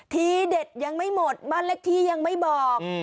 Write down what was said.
ทีเด็ดยังไม่หมดบ้านเลขที่ยังไม่บอก